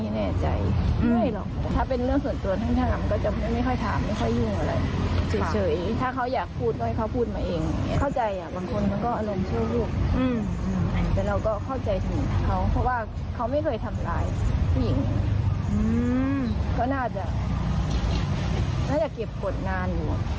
เค้าน่าจะเก็บกฎงาน